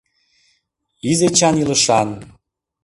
Из-Эчан илышан